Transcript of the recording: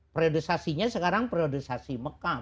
periodisasinya sekarang periodisasi mekah